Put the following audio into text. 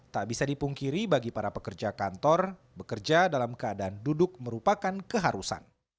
tak bisa dipungkiri bagi para pekerja kantor bekerja dalam keadaan duduk merupakan keharusan